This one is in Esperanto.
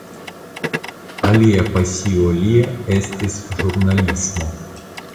Alia pasio lia estis ĵurnalismo.